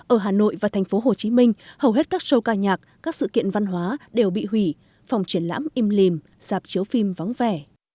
ở hà nội và thành phố hồ chí minh hầu hết các show ca nhạc các sự kiện văn hóa đều bị hủy phòng triển lãm im lìm dạp chiếu phim vắng vẻ